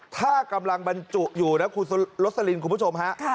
ถ้ากำลังบรรจุอยู่นะคุณโรสลินคุณผู้ชมฮะ